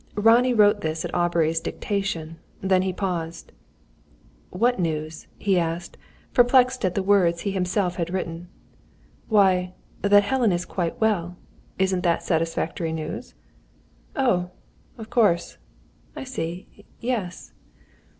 _" Ronnie wrote this at Aubrey's dictation; then he paused. "What news?" he asked, perplexed at the words he himself had written. "Why that Helen is quite well. Isn't that satisfactory news?" "Oh, of course. I see. Yes."